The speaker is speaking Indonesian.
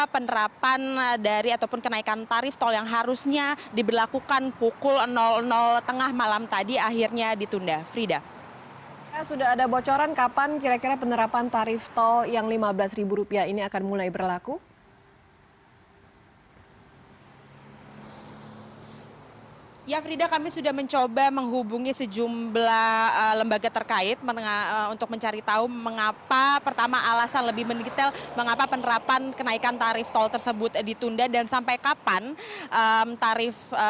penundaan ini juga memberikan kesempatan bagi bpjt dan bujt melakukan sosialisasi lebih intensif